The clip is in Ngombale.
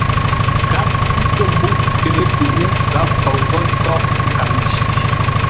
Gháp zʉ́ kə̂ ḿbə́uʼ tə ə́ kuʼ, gháp khwor ńgwó ńtághʼ nkaŋ nci.